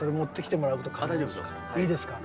いいですか。